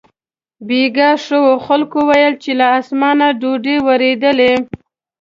بېګاه ښه و، خلکو ویل چې له اسمانه ډوډۍ ورېدلې.